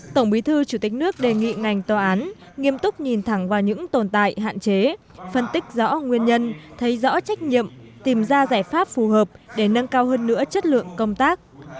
tổng bí thư chủ tịch nước đề nghị ngành tòa án nghiêm túc nhìn thẳng vào những tồn tại hạn chế phân tích rõ nguyên nhân thấy rõ trách nhiệm tìm ra giải pháp phù hợp để nâng cao hơn nữa chất lượng công tác